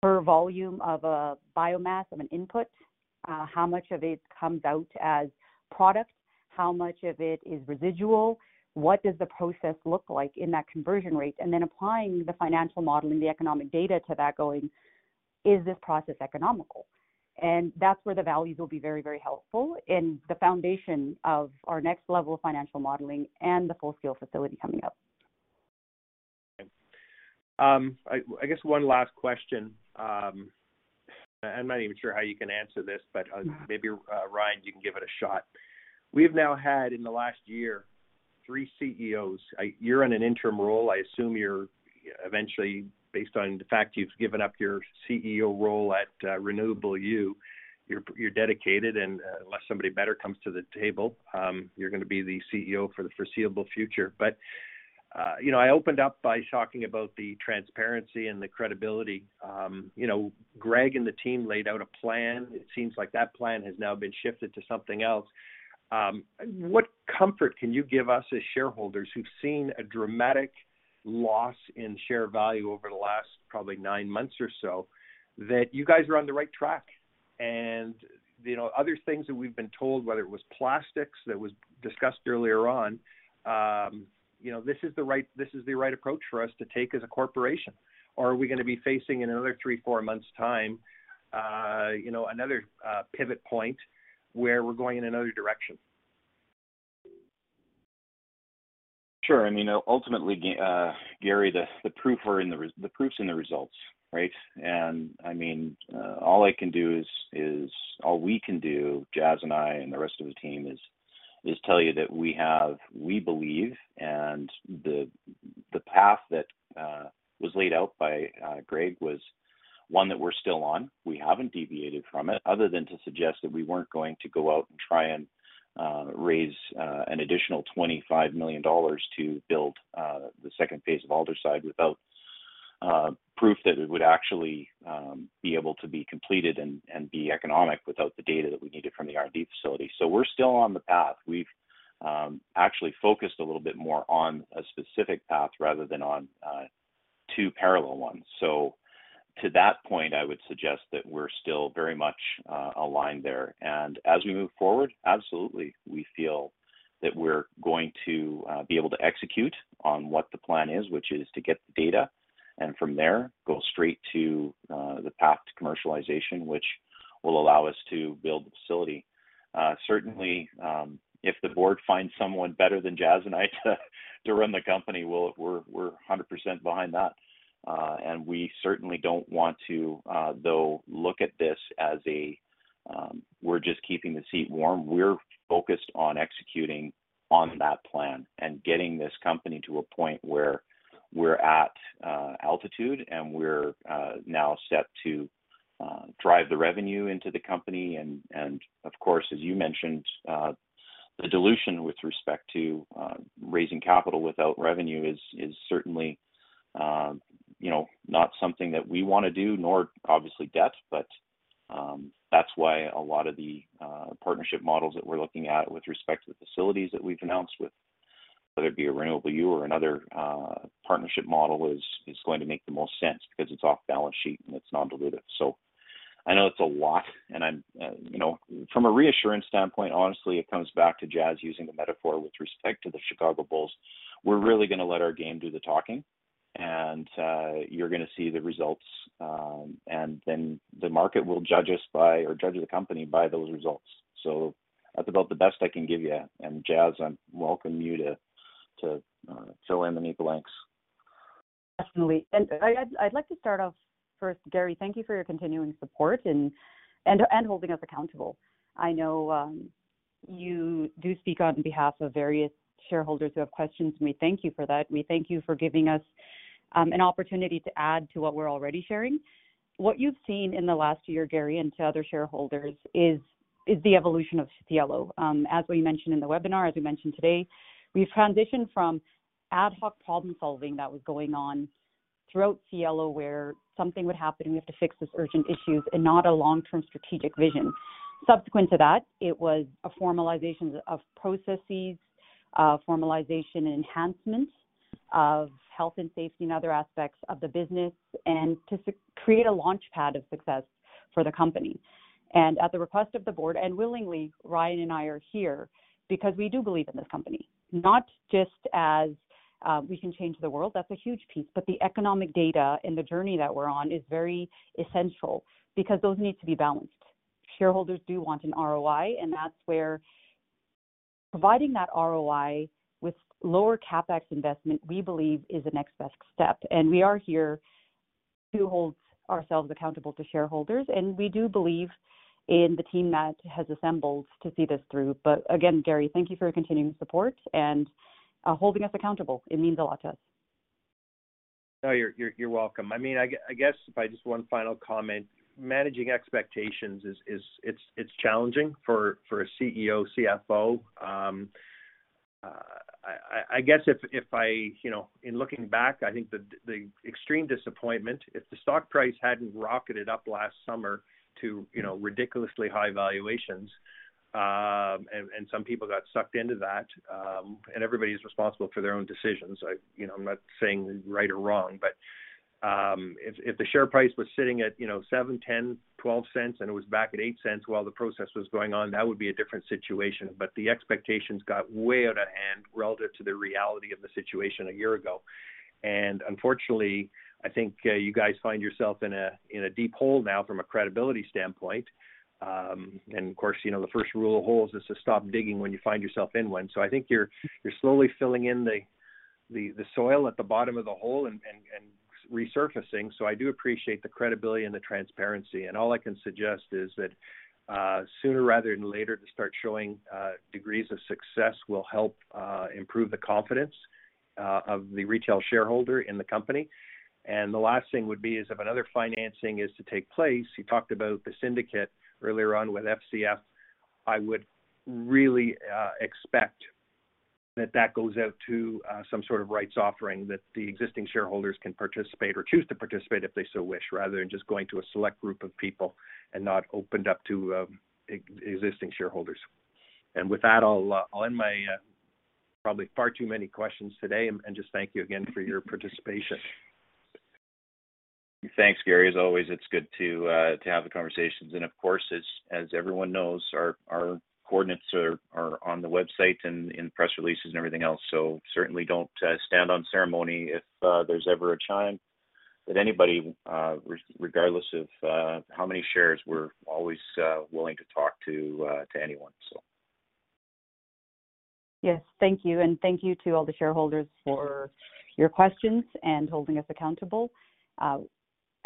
Per volume of a biomass of an input, how much of it comes out as product? How much of it is residual? What does the process look like in that conversion rate? Applying the financial model and the economic data to that going, "Is this process economical?" That's where the values will be very, very helpful in the foundation of our next level of financial modeling and the full-scale facility coming up. Okay. I guess one last question. I'm not even sure how you can answer this, but maybe, Ryan, you can give it a shot. We've now had, in the last year, three CEOs. You're in an interim role. I assume you're eventually, based on the fact you've given up your CEO role at Renewable U, you're dedicated, and unless somebody better comes to the table, you're gonna be the CEO for the foreseeable future. You know, I opened up by talking about the transparency and the credibility. You know, Greg and the team laid out a plan. It seems like that plan has now been shifted to something else. What comfort can you give us as shareholders who've seen a dramatic loss in share value over the last probably nine months or so, that you guys are on the right track? You know, other things that we've been told, whether it was plastics that was discussed earlier on, you know, this is the right approach for us to take as a corporation. Are we gonna be facing, in another three, four months' time, you know, another pivot point where we're going in another direction? Sure. I mean, ultimately, Gary, the proof's in the results, right? I mean, all I can do is all we can do, Jas and I and the rest of the team, is tell you that we have, we believe, and the path that was laid out by Greg was one that we're still on. We haven't deviated from it other than to suggest that we weren't going to go out and try and raise an additional 25 million dollars to build the second phase of Aldersyde without proof that it would actually be able to be completed and be economic without the data that we needed from the R&D facility. We're still on the path. We've actually focused a little bit more on a specific path rather than on two parallel ones. To that point, I would suggest that we're still very much aligned there. As we move forward, absolutely, we feel that we're going to be able to execute on what the plan is, which is to get the data, and from there, go straight to the path to commercialization, which will allow us to build the facility. Certainly, if the board finds someone better than Jas and I to run the company, we're 100% behind that. We certainly don't want to, though, look at this as a, we're just keeping the seat warm. We're focused on executing on that plan and getting this company to a point where we're at altitude and we're now set to drive the revenue into the company. Of course, as you mentioned, the dilution with respect to raising capital without revenue is certainly you know not something that we wanna do, nor obviously debt. That's why a lot of the partnership models that we're looking at with respect to the facilities that we've announced with, whether it be a Renewable U or another partnership model is going to make the most sense because it's off balance sheet and it's non-dilutive. I know it's a lot, and I'm you know. From a reassurance standpoint, honestly, it comes back to Jas using the metaphor with respect to the Chicago Bulls. We're really gonna let our game do the talking, and you're gonna see the results, and then the market will judge us by or judge the company by those results. That's about the best I can give you. Jas, I welcome you to fill in any blanks. Definitely. I'd like to start off first, Gary, thank you for your continuing support and holding us accountable. I know you do speak on behalf of various shareholders who have questions, and we thank you for that. We thank you for giving us an opportunity to add to what we're already sharing. What you've seen in the last year, Gary, and to other shareholders is the evolution of Cielo. As we mentioned in the webinar, as we mentioned today, we've transitioned from ad hoc problem-solving that was going on throughout Cielo, where something would happen, we have to fix this urgent issues and not a long-term strategic vision. Subsequent to that, it was a formalization of processes, formalization and enhancements of health and safety and other aspects of the business and to create a launchpad of success for the company. At the request of the board, and willingly, Ryan and I are here because we do believe in this company, not just as we can change the world. That's a huge piece, but the economic data and the journey that we're on is very essential because those need to be balanced. Shareholders do want an ROI, and that's where providing that ROI with lower CapEx investment, we believe is the next best step. We are here to hold ourselves accountable to shareholders, and we do believe in the team that has assembled to see this through. Again, Gary, thank you for your continuing support and holding us accountable. It means a lot to us. No, you're welcome. I mean, I guess if I just one final comment, managing expectations is challenging for a CEO, CFO. I guess if I, you know, in looking back, I think the extreme disappointment, if the stock price hadn't rocketed up last summer to, you know, ridiculously high valuations, and some people got sucked into that, and everybody's responsible for their own decisions. I, you know, I'm not saying right or wrong, but if the share price was sitting at, you know, 0.07, 0.10, 0.12, and it was back at 0.08 while the process was going on, that would be a different situation. The expectations got way out of hand relative to the reality of the situation a year ago. Unfortunately, I think you guys find yourself in a deep hole now from a credibility standpoint. Of course, you know, the first rule of holes is to stop digging when you find yourself in one. I think you're slowly filling in the soil at the bottom of the hole and resurfacing. I do appreciate the credibility and the transparency. All I can suggest is that sooner rather than later to start showing degrees of success will help improve the confidence of the retail shareholder in the company. The last thing would be is if another financing is to take place, you talked about the syndicate earlier on with FCF. I would really expect that goes out to some sort of rights offering that the existing shareholders can participate or choose to participate if they so wish, rather than just going to a select group of people and not opened up to existing shareholders. With that, I'll end my probably far too many questions today and just thank you again for your participation. Thanks, Gary. As always, it's good to have the conversations. Of course, as everyone knows, our coordinates are on the website and in press releases and everything else. Certainly don't stand on ceremony if there's ever a time that anybody, regardless of how many shares, we're always willing to talk to anyone. Yes. Thank you. Thank you to all the shareholders for your questions and holding us accountable.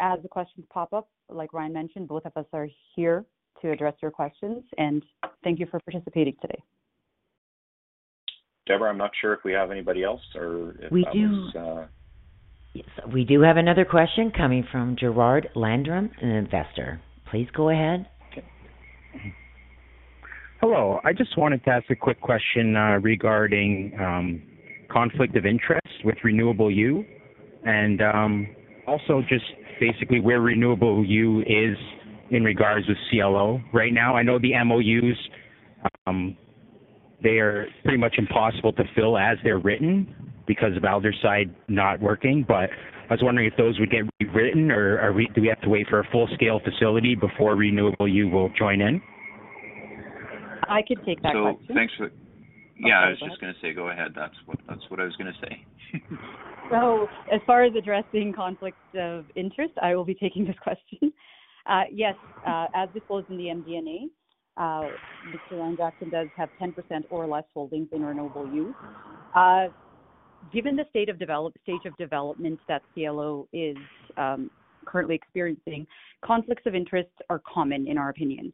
As the questions pop up, like Ryan mentioned, both of us are here to address your questions, and thank you for participating today. Debra, I'm not sure if we have anybody else or if that was. We do. Yes, we do have another question coming from Gerard Landrum, an investor. Please go ahead. Okay. Hello. I just wanted to ask a quick question regarding conflict of interest with Renewable U. I also just basically where Renewable U is in regards with Cielo right now. I know the MOUs, they are pretty much impossible to fill as they're written because of Aldersyde not working. I was wondering if those would get rewritten or do we have to wait for a full-scale facility before Renewable U will join in? I can take that question. Yeah, I was just gonna say go ahead. That's what I was gonna say. As far as addressing conflicts of interest, I will be taking this question. Yes, as disclosed in the MD&A, Mr. Ryan Jackson does have 10% or less holdings in Renewable U. Given the stage of development that Cielo is currently experiencing, conflicts of interest are common in our opinion.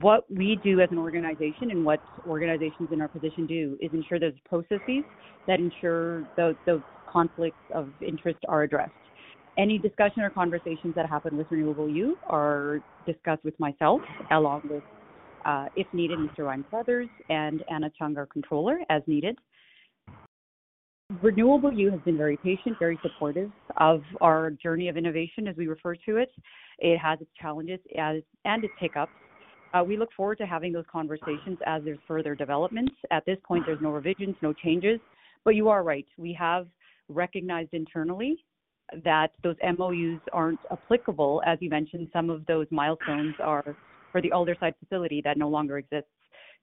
What we do as an organization and what organizations in our position do is ensure there's processes that ensure those conflicts of interest are addressed. Any discussion or conversations that happen with Renewable U are discussed with myself, along with, if needed, Mr. Ryan Carruthers and Anna Cheong, our controller, as needed. Renewable U has been very patient, very supportive of our journey of innovation, as we refer to it. It has its challenges as, and its hiccups. We look forward to having those conversations as there's further developments. At this point, there's no revisions, no changes. You are right, we have recognized internally that those MOUs aren't applicable. As you mentioned, some of those milestones are for the Aldersyde facility that no longer exists.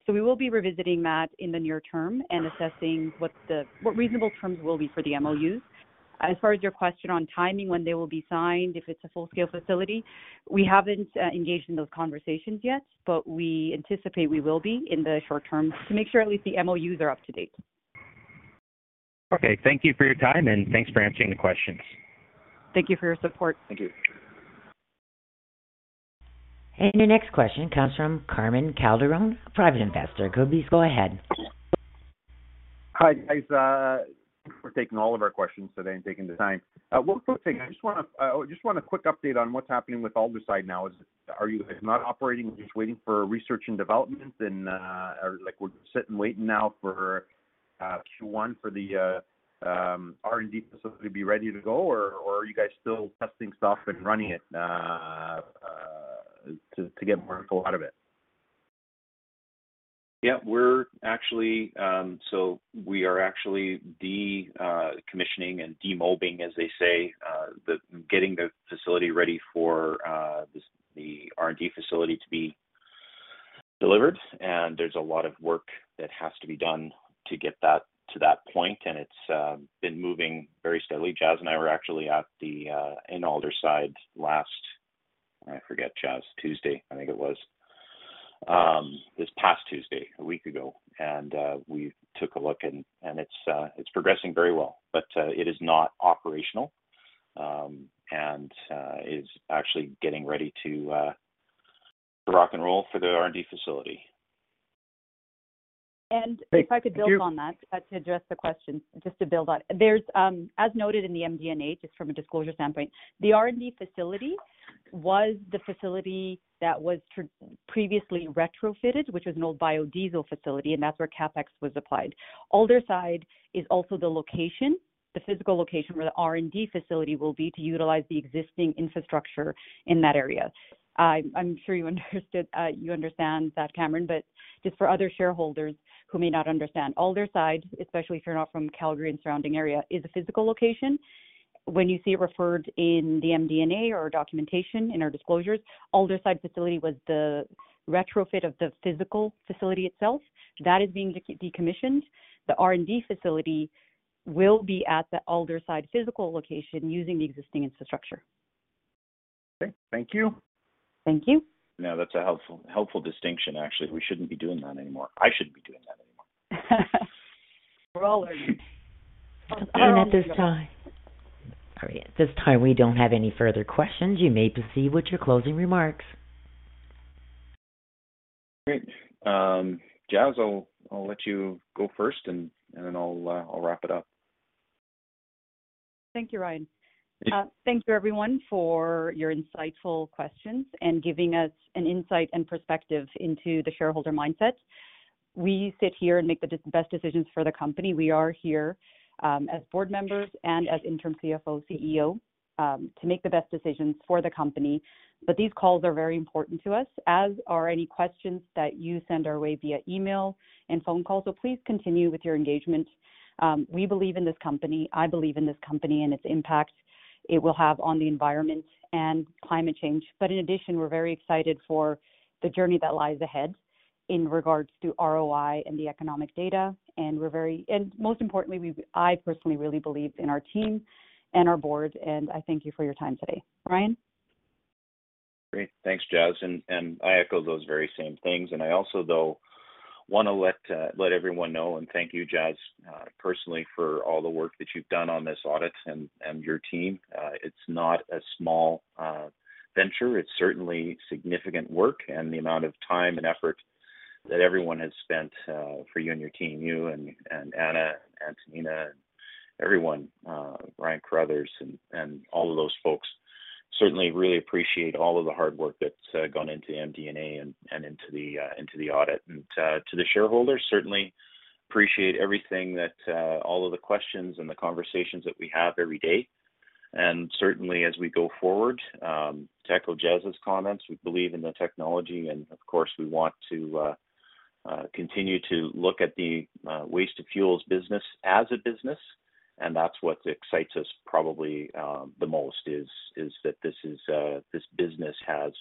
We will be revisiting that in the near term and assessing what reasonable terms will be for the MOUs. As far as your question on timing, when they will be signed, if it's a full-scale facility, we haven't engaged in those conversations yet, but we anticipate we will be in the short term to make sure at least the MOUs are up to date. Okay. Thank you for your time, and thanks for answering the questions. Thank you for your support. Thank you. The next question comes from Carmen Calderon, a private investor. Please go ahead. Hi, guys. For taking all of our questions today and taking the time. Well, first thing, I just want a quick update on what's happening with Aldersyde now. Are you guys not operating? Are you just waiting for research and development? or like, we're sitting, waiting now for Q1 for the R&D facility to be ready to go, or are you guys still testing stuff and running it to get more info out of it? Yeah, we're actually. We are actually decommissioning and demobbing, as they say, getting the facility ready for the R&D facility to be delivered. There's a lot of work that has to be done to get that to that point, and it's been moving very steadily. Jas and I were actually in Aldersyde last. I forget, Jas. Tuesday, I think it was. This past Tuesday, a week ago. We took a look and it's progressing very well, but it is not operational. It is actually getting ready to rock and roll for the R&D facility. If I could build on that to address the question, just to build on. There's, as noted in the MD&A, just from a disclosure standpoint, the R&D facility was the facility that was previously retrofitted, which was an old biodiesel facility, and that's where CapEx was applied. Aldersyde is also the location, the physical location where the R&D facility will be to utilize the existing infrastructure in that area. I'm sure you understand that, Carmen, but just for other shareholders who may not understand. Aldersyde, especially if you're not from Calgary and surrounding area, is a physical location. When you see it referred in the MD&A or documentation in our disclosures, Aldersyde facility was the retrofit of the physical facility itself. That is being decommissioned. The R&D facility will be at the Aldersyde physical location using the existing infrastructure. Okay. Thank you. Thank you. No, that's a helpful distinction, actually. We shouldn't be doing that anymore. I shouldn't be doing that anymore. We're all learning. At this time, we don't have any further questions. You may proceed with your closing remarks. Great. Jas, I'll let you go first, and then I'll wrap it up. Thank you, Ryan. Thank you everyone for your insightful questions and giving us an insight and perspective into the shareholder mindset. We sit here and make the best decisions for the company. We are here, as board members and as interim CFO, CEO, to make the best decisions for the company. These calls are very important to us, as are any questions that you send our way via email and phone call. Please continue with your engagement. We believe in this company. I believe in this company and its impact it will have on the environment and climate change. In addition, we're very excited for the journey that lies ahead in regards to ROI and the economic data. Most importantly, I personally really believe in our team and our board, and I thank you for your time today. Ryan? Great. Thanks, Jas. I echo those very same things. I also, though, wanna let everyone know and thank you, Jas, personally for all the work that you've done on this audit and your team. It's not a small venture. It's certainly significant work, and the amount of time and effort that everyone has spent for you and your team, you and Anna, Antonina, everyone, Ryan Carruthers and all of those folks. Certainly really appreciate all of the hard work that's gone into MD&A and into the audit. To the shareholders, certainly appreciate everything that all of the questions and the conversations that we have every day. Certainly as we go forward, to echo Jas's comments, we believe in the technology and of course we want to continue to look at the waste to fuels business as a business, and that's what excites us probably the most is that this is this business has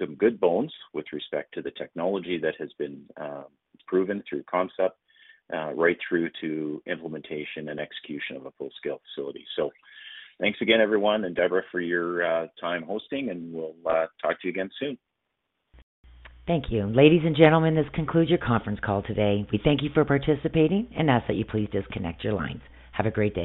some good bones with respect to the technology that has been proven through concept right through to implementation and execution of a full-scale facility. Thanks again everyone and Debra for your time hosting, and we'll talk to you again soon. Thank you. Ladies and gentlemen, this concludes your conference call today. We thank you for participating and ask that you please disconnect your lines. Have a great day.